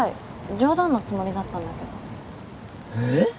冗談のつもりだったんだけどええっ！？